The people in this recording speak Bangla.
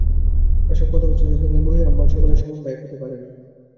এখন কথা হচ্ছে যে, ধ্যানের বহিরালম্বন সকলের সমান বা এক হতে পারে না।